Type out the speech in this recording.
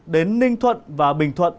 đến ninh thuận và bình thuận